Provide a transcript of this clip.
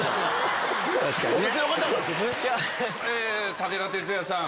武田鉄矢さん。